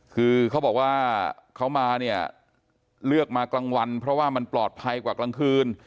คือเขาบอกว่าเขามาเนี่ยเลือกมากลางวันเพราะว่ามันปลอดภัยกว่ากลางคืน